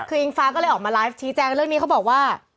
คืออิงฟ้าก็เลยออกมาไลฟ์ชี้แจงเรื่องนี้เขาบอกว่า